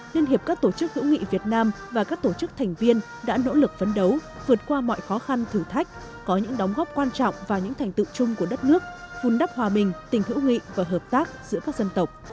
liên hiệp các tổ chức hữu nghị việt nam và các tổ chức thành viên đã nỗ lực phấn đấu vượt qua mọi khó khăn thử thách có những đóng góp quan trọng vào những thành tựu chung của đất nước vun đắp hòa bình tình hữu nghị và hợp tác giữa các dân tộc